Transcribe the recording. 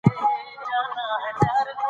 وروسته مې ډوډۍ سمه پخه کړه او خوند یې ښه و.